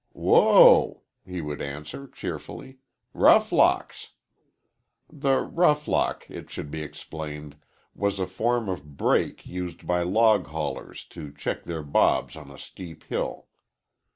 "W whoa!" he would answer, cheerfully. "Roughlocks!" The roughlock, it should be explained, was a form of brake used by log haulers to check their bobs on a steep hill.